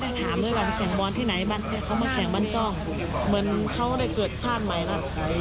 ถ้าเขาไม่เจอก็ทำโบร์นมาแค่นี้แม่กับลูกล่ะ